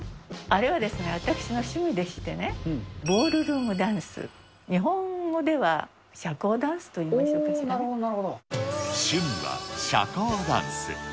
あれはですね、私の趣味でして、ボールルームダンス、日本語では社交ダンスといいましょうかしら趣味は社交ダンス。